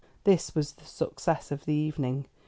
This was the success of the evening.